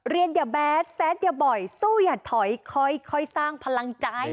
เรียนยับแบดแซสยับบ่อยซู่อย่าถอยคอยคอยสร้างพลังใจ